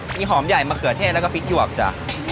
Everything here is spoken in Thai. มีหอมใหญ่มะเขือเทศแล้วก็พริกหยวกจ้ะ